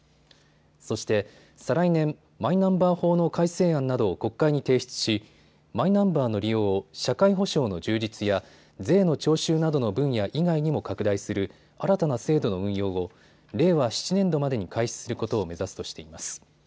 そして再来年、マイナンバー法の改正案などを国会に提出しマイナンバーの利用を社会保障の充実や税の徴収などの分野以外にも拡大する新たな制度の運用を令和７年度までに開始することを目指すとしています。